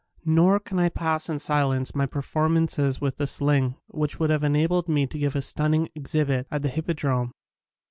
Nor can I pass in silence my performances with the sling which would have enabled me to give a stunning exhibit at the Hippodrome.